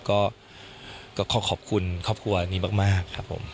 ก็ขอขอบคุณครอบครัวนี้มากครับผม